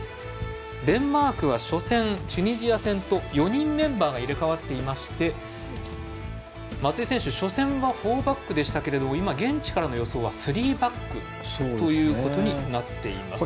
デンマークは初戦のチュニジア戦と４人、メンバーが入れ替わっていまして松井選手、初戦はフォーバックでしたけど今、現地からの予想はスリーバックとなっています。